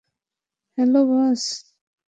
Hello, বস!